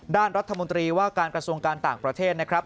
ด้านรัฐมนตรีว่าการกระทรวงการต่างประเทศนะครับ